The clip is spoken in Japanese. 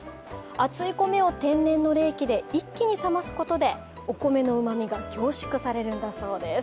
熱い米を天然の冷気で一気に冷ますことでお米のうまみが凝縮されるそうです。